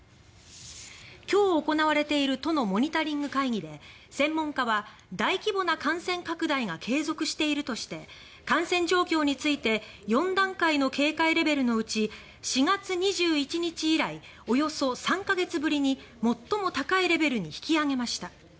今日行われている都のモニタリング会議で専門家は大規模な感染拡大が継続しているとして感染状況について４段階の警戒レベルのうち４月２１日以来およそ３か月ぶりに最も高いレベルに引き上げました。